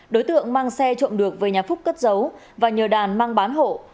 đối tượng mang xe trộm được về nhà phúc cất giấu và nhờ đàn mang bán hộ